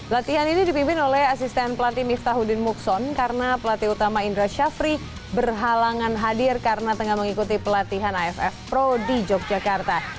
latihan ini dipimpin oleh asisten pelatih miftahuddin mukson karena pelatih utama indra syafri berhalangan hadir karena tengah mengikuti pelatihan aff pro di yogyakarta